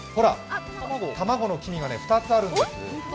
卵の黄身が２つあるんです。